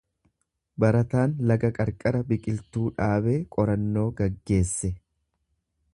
Barataan laga bira biqiltuu dhaabee qorannoo gaggeesse.